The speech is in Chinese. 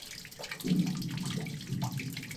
祖父杜思贤。